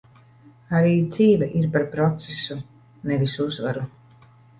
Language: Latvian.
Arī dzīve ir par procesu, nevis uzvaru.